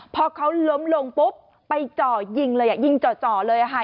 พอเขาล้มลงปุ๊บไปเจาะยิงเลยอ่ะยิงเจาะเลยอ่ะฮะ